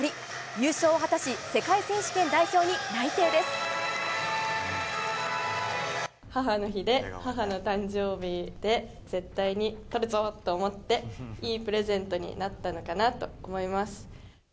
優勝を果たし、母の日で、母の誕生日で、絶対にとるぞ！と思って、いいプレゼントになったのかなと思いま